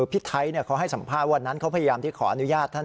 พี่ไทยเขาให้สัมภาษณ์วันนั้นเขาพยายามที่ขออนุญาตท่าน